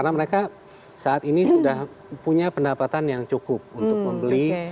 menjadi klien adalah kaum milenial